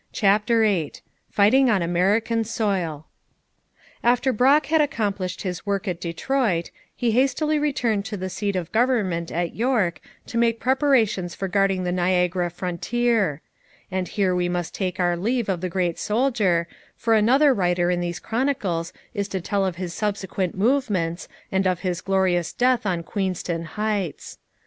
CHAPTER VIII FIGHTING ON AMERICAN SOIL After Brock had accomplished his work at Detroit, he hastily returned to the seat of government at York to make preparations for guarding the Niagara frontier; and here we must take our leave of the great soldier, for another writer in these Chronicles is to tell of his subsequent movements, and of his glorious death on Queenston Heights.